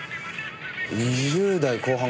２０代後半かな。